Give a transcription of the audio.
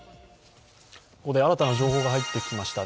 ここで新たな情報が入ってきました。